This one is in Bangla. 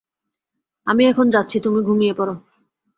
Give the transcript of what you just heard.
আমি এখন যাচ্ছি, তুমি ঘুমিয়ে পড়ো।